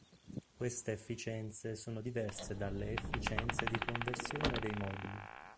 Queste efficienze sono diverse dalle efficienze di conversione dei moduli.